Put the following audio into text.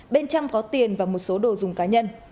bên trong có tiền và một số đồ dùng cá nhân